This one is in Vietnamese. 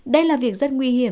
đây là việc rất nguy hiểm